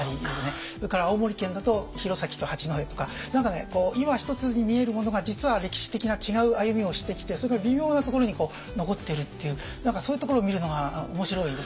それから青森県だと弘前と八戸とか何かね今一つに見えるものが実は歴史的な違う歩みをしてきてそれが微妙なところに残っているっていう何かそういうところを見るのが面白いです。